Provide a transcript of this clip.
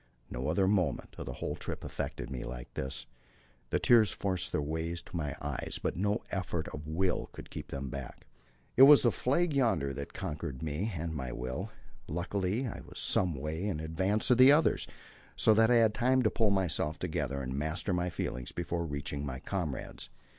No other moment of the whole trip affected me like this. The tears forced their way to my eyes; by no effort of will could I keep them back. It was the flag yonder that conquered me and my will. Luckily I was some way in advance of the others, so that I had time to pull myself together and master my feelings before reaching my comrades.